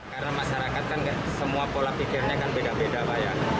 karena masyarakat kan semua pola pikirnya kan beda beda pak ya